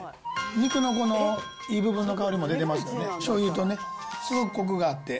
肉のこのいい部分の香りも出てますよね、しょうゆとね、すごくこくがあって。